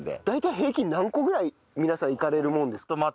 大体平均何個ぐらい皆さんいかれるものですか？